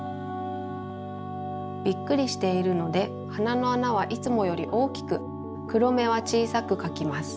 びっくりしているのではなのあなはいつもよりおおきくくろめはちいさくかきます。